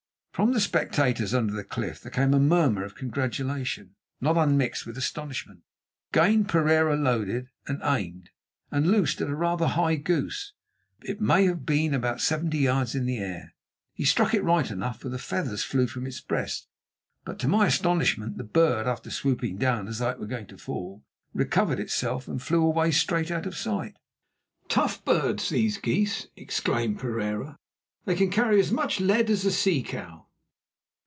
From the spectators under the cliff there came a murmur of congratulation not unmixed with astonishment. Again Pereira loaded, aimed, and loosed at a rather high goose—it may have been about seventy yards in the air. He struck it right enough, for the feathers flew from its breast; but to my astonishment the bird, after swooping down as though it were going to fall, recovered itself and flew away straight out of sight. "Tough birds, these geese!" exclaimed Pereira. "They can carry as much lead as a sea cow."